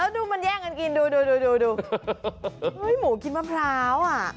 ดูมันแย่งกันกินดูดูหมูกินมะพร้าวอ่ะ